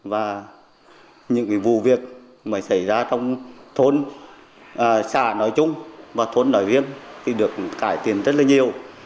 và những vụ việc mà xảy ra trong thôn xã nói chung và thôn nói viên thì được cải tiến rất là nhiều